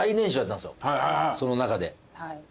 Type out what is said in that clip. その中で。